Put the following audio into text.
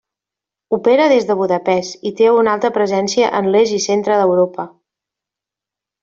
Opera des de Budapest i té una alta presència en l'est i centre d'Europa.